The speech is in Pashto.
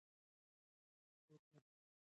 هڅه وکړئ چې ښه ولیکئ.